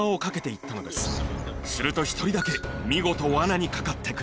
すると１人だけ見事。